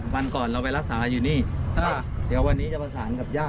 วันก่อนเราไปรักษาอยู่นี่ถ้าเดี๋ยววันนี้จะประสานกับญาติ